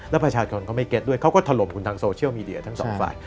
แล้วประชาชนเขาไม่เก็ตด้วยเขาก็ถล่มคุณทางโซเชียลมีเดียทั้งสองฝ่าย